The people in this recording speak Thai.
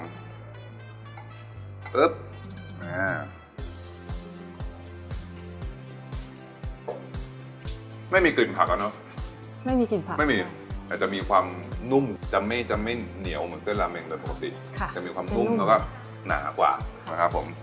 ผมไม่มีกลิ่นผักอ่ะเนอะไม่มีกลิ่นผักไม่มีแต่จะมีความนุ่มจะไม่จะไม่เหนียวเหมือนเส้นราเมงโดยปกติจะมีความนุ่มแล้วก็หนากว่านะครับผม